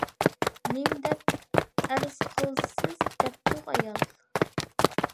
-نېمە دەپ ئەرز قىلىسىز؟ دەپتۇ ئايال.